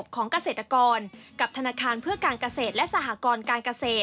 ขอบคุณครับ